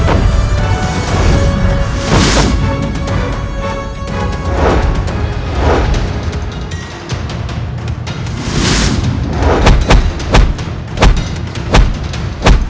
ajihan tersebut akan menunggu keluarga pada jajaran